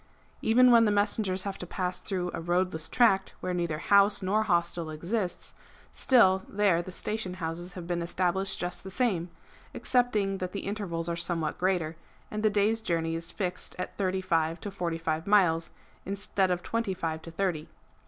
^ Even when the messengers have to pass through a roadless tract where neither house nor hostel exists, still there the station houses have been established just the same, excepting that the intervals are somewhat greater, and the day's journey is fixed at thirty five to forty five miles, instead of twenty five to thirty.